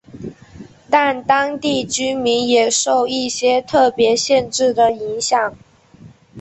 但当地居民也受一些特别限制的影响。